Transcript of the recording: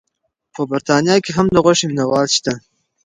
په بریتانیا کې هم د غوښې مینه وال شته.